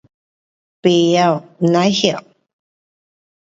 不会，不懂。